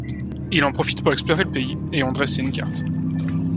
Il en profite pour explorer le pays et en dresser une carte.